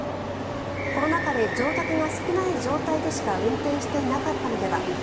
コロナ禍で乗客が少ない状態でしか運転していなかったのでは。